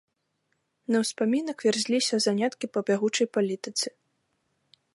На ўспамінак вярзліся заняткі па бягучай палітыцы.